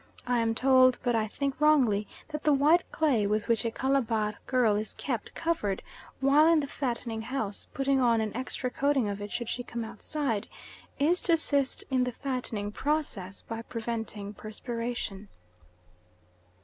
I am told, but I think wrongly, that the white clay with which a Calabar girl is kept covered while in the fattening house, putting on an extra coating of it should she come outside, is to assist in the fattening process by preventing perspiration.